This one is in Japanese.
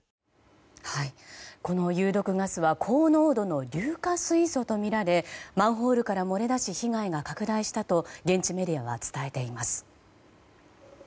この有毒ガスは高濃度の硫化水素とみられマンホールから漏れ出し被害が拡大したと現地メディアは伝えています。